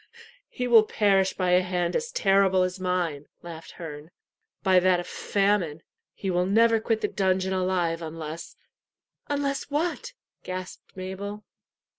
"He will perish by a hand as terrible as mine," laughed Herne "by that of famine. He will never quit the dungeon alive unless " "Unless what?" gasped Mabel.